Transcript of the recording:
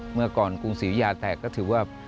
เมื่อก่อนกรุงศรียุยาแตกก็ถือว่า